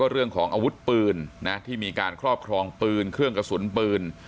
เรื่องของอาวุธปืนที่มีการครอบครองปืนเครื่องกระสุนปืน